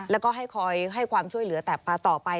แล้วก็ให้ความช่วยเหลือต่อไป